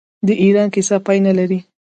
د ایران کیسه پای نلري.